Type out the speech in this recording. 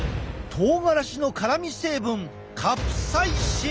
とうがらしの辛み成分カプサイシン！